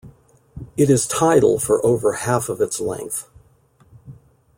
It is tidal for over half of its length.